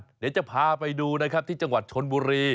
เดี๋ยวจะพาไปดูนะครับที่จังหวัดชนบุรี